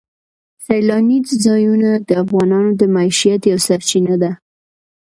سیلاني ځایونه د افغانانو د معیشت یوه سرچینه ده.